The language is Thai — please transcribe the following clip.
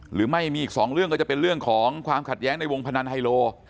หรือไม่มีอีกสองเรื่องก็จะเป็นเรื่องของความขัดแย้งในวงพนันไฮโล